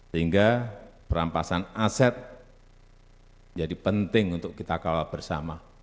sehingga perampasan aset menjadi penting untuk kita kawal bersama